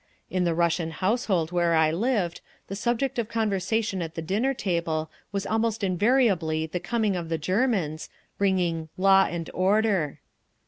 In the Russian household where I lived, the subject of conversation at the dinner table was almost invariably the coming of the Germans, bringing "law and order."